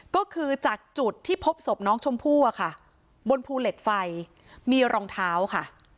ก็คือจากจุดที่พบศพน้องชมพู่อะค่ะบนภูเหล็กไฟมีรองเท้าค่ะ